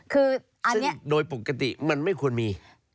จึงโดยปกติมันไม่ควรมี